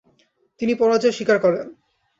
তিনি পরাজয় স্বীকার করেন।